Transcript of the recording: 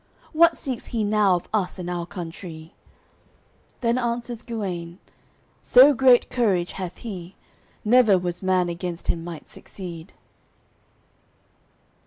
What seeks he now of us in our country?" Then answers Guene "So great courage hath he; Never was man against him might succeed."